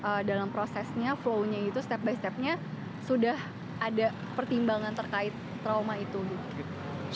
apa dalam prosesnya flow nya itu step by stepnya sudah ada pertimbangan terkait trauma itu gitu